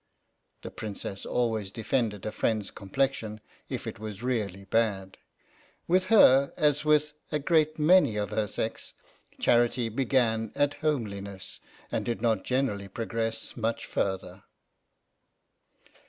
The Princess always defended a friend's complexion if it was really bad. With her, as with a great many of her sex, charity began at homeliness and did not generally progress much farther.